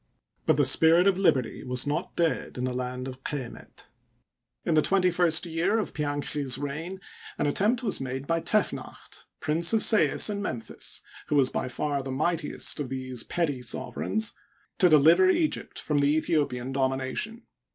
But the spirit . of liberty was not dead in the land of Q^met. In the twenty first year of Pianchi's reign, an attempt was made by Tefnacht, Prince of Sais and Memphis, who was by far the mightiest of these petty sovereigns, to deliver Egypt from the Aethiopian domination.